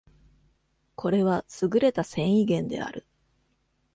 これは優れた繊維源である。